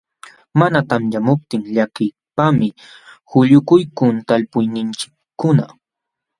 Mana tamyamuptin llakiypaqmi quyukuykun talpuyninchikkuna.